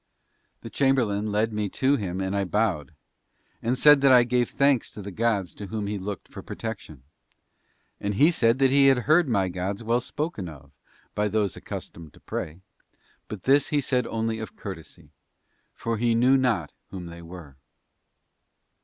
The chamberlain led me to him and I bowed, and said that I gave thanks to the gods to whom he looked for protection; and he said that he had heard my gods well spoken of by those accustomed to pray but this he said only of courtesy, for he knew not whom they were.